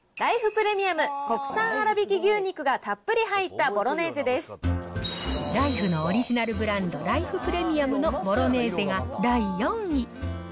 プレミアム国産粗挽き牛肉がたっぷり入ったボライフのオリジナルブランド、ライフプレミアムのボロネーゼが第４位。